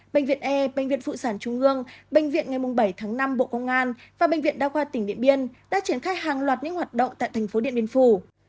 bệnh viện e bệnh viện phụ sản trung ương bệnh viện ngày bảy tháng năm bộ công an và bệnh viện đa khoa tỉnh điện biên đã triển khai hàng loạt những hoạt động tại thành phố điện biên phủ